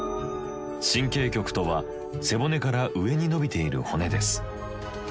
神経棘とは背骨から上に伸びている骨です。